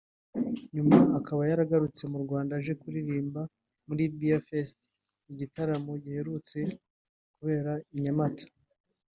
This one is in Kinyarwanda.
nyuma akaba yaragarutse mu Rwanda aje kuririmba muri Beer Fest igitaramo giherutse kubera i Nyamata